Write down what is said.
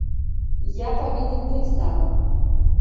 Я павінен быць там.